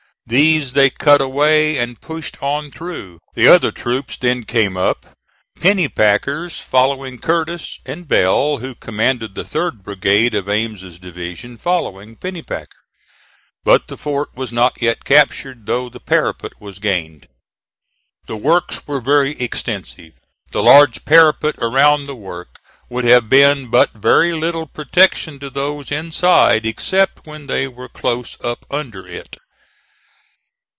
These they cut away, and pushed on through. The other troops then came up, Pennypacker's following Curtis, and Bell, who commanded the 3d brigade of Ames's division, following Pennypacker. But the fort was not yet captured though the parapet was gained. The works were very extensive. The large parapet around the work would have been but very little protection to those inside except when they were close up under it.